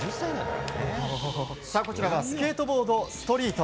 こちらはスケートボード・ストリート。